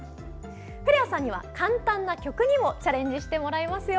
古谷さんには簡単な曲にもチャレンジしてもらいますよ！